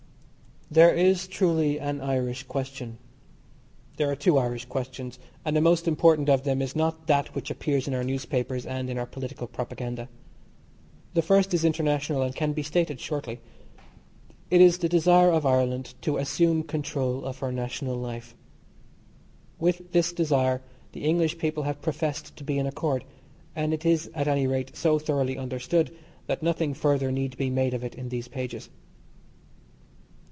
There is truly an Irish question. There are two Irish questions, and the most important of them is not that which appears in our newspapers and in our political propaganda. The first is international, and can be stated shortly. It is the desire of Ireland to assume control of her national life. With this desire the English people have professed to be in accord, and it is at any rate so thoroughly understood that nothing further need be made of it in these pages.